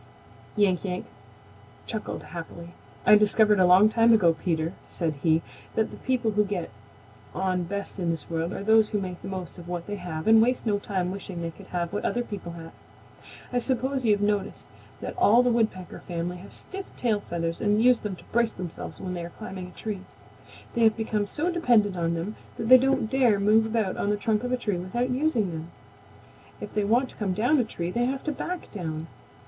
Yank Yank chuckled happily. "I discovered a long time ago, Peter," said he, "that the people who get on best in this world are those who make the most of what they have and waste no time wishing they could have what other people have. I suppose you have noticed that all the Woodpecker family have stiff tail feathers and use them to brace themselves when they are climbing a tree. They have become so dependent on them that they don't dare move about on the trunk of a tree without using them. If they want to come down a tree they have to back down.